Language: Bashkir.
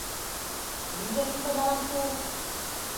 Мин дә шунда барамсы ул...